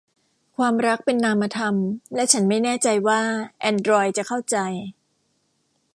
ความรักเป็นนามธรรม และฉันไม่แน่ใจว่าแอนดรอยด์จะเข้าใจ